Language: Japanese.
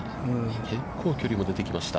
結構距離も出てきました。